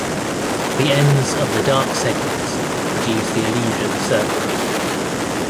The ends of the dark segments produce the illusion of circles.